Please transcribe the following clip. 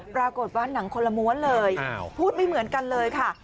ปรากฏว่าหนังคนละม้วนเลยพูดไม่เหมือนกันเลยค่ะ